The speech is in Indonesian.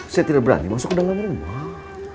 saya tidak berani masuk ke dalam rumah